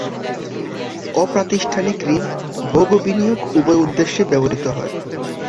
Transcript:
অপ্রাতিষ্ঠানিক ঋণ ভোগ ও বিনিয়োগ- উভয় উদ্দেশ্যেই ব্যবহূত হয়।